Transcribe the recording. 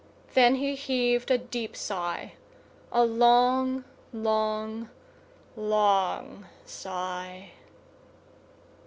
Then he heaved a deep sigh; a long, long, long sigh.